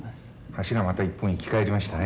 柱また一本生き返りましたね。